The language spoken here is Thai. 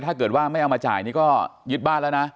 ถ้าเกิดว่าไม่เอามาจ่ายนี่ก็ยึดบ้านแล้วนะ